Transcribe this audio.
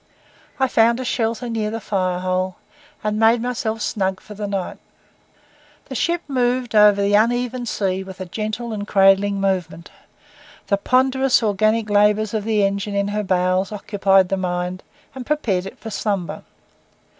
I found a shelter near the fire hole, and made myself snug for the night. The ship moved over the uneven sea with a gentle and cradling movement. The ponderous, organic labours of the engine in her bowels occupied the mind, and prepared it for slumber.